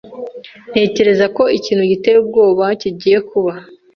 Ntekereza ko ikintu giteye ubwoba kigiye kuba.